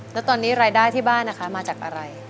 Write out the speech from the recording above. แล้วตอนนี้รายได้ที่บ้านนะคะมาจากอะไร